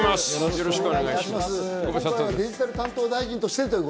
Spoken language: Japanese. よろしくお願いします。